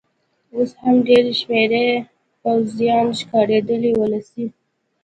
اوس هم ډېر شمېر پوځیان ښکارېدل، وسلې.